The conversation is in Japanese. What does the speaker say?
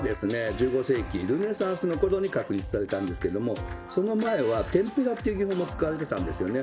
１５世紀ルネサンスの頃に確立されたんですけどもその前はテンペラっていう技法も使われてたんですよね。